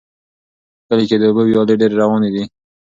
په کلي کې د اوبو ویالې ډېرې روانې دي.